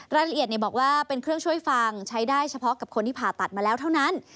รายละเอียดบอกว่าเป็นเครื่องช่วยฟังใช้ได้เฉพาะกับคนที่ผ่าตัดมาแล้วเท่านั้น